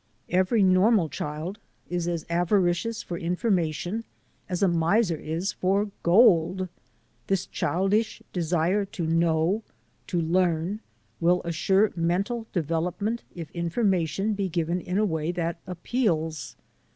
Every normal child is as avaricious for informa tion as a miser is for gold. This childish desire to know, to learn, will assure mental development if information be given in a way that appeals.